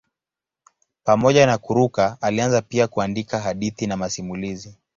Pamoja na kuruka alianza pia kuandika hadithi na masimulizi.